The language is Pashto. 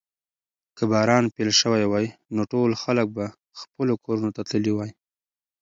که باران پیل شوی وای نو ټول خلک به خپلو کورونو ته تللي وای.